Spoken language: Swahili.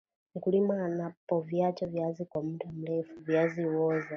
mkulima anapoviacha viazi kwa mda mrefu viazi huoza